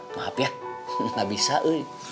maaf ya nggak bisa